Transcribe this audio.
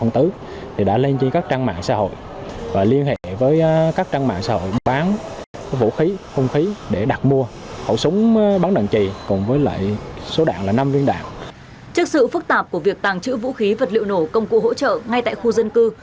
trước sự phức tạp của việc tàng trữ vũ khí vật liệu nổ công cụ hỗ trợ ngay tại khu dân cư